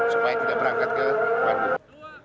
supaya tidak berangkat ke bandung